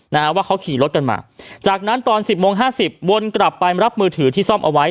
นะฮะว่าเขาขี่รถกันมาจากนั้นตอนสิบโมงห้าสิบวนกลับไปรับมือถือที่ซ่อมเอาไว้